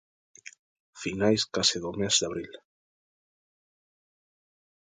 Finais case do mes de abril.